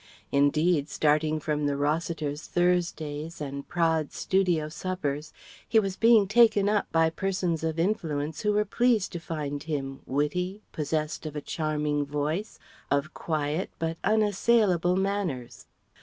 Indeed, starting from the Rossiters' Thursdays and Praed's studio suppers, he was being taken up by persons of influence who were pleased to find him witty, possessed of a charming voice, of quiet but unassailable manners.